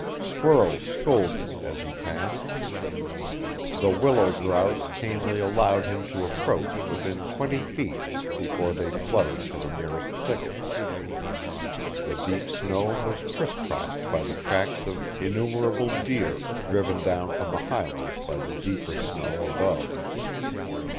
Squirrels scolded as he passed. The willow grouse tamely allowed him to approach within twenty feet before they fluttered to the nearest thicket. The deep snow was crisscrossed by the tracks of innumerable deer driven down from the highlands by the deeper snow above.